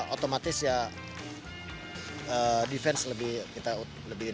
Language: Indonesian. otomatis ya defense lebih